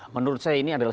menurut saya ini adalah